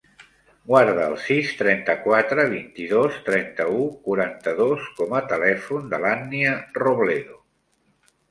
Guarda el sis, trenta-quatre, vint-i-dos, trenta-u, quaranta-dos com a telèfon de l'Ànnia Robledo.